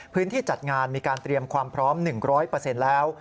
จัดงานมีการเตรียมความพร้อม๑๐๐แล้ว